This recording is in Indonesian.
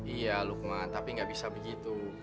iya lukman tapi nggak bisa begitu